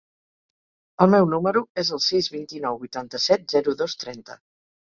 El meu número es el sis, vint-i-nou, vuitanta-set, zero, dos, trenta.